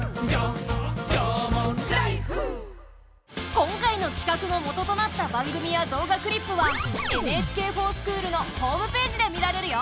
今回の企画のもととなった番組や動画クリップは「ＮＨＫｆｏｒＳｃｈｏｏｌ」のホームページで見られるよ。